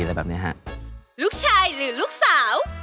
ลูกชายหรือลูกสาว